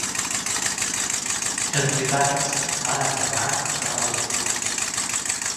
Els britànics van aterrar cap a les dues.